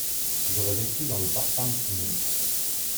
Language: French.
J'aurais vécu dans le parfum de son bonheur.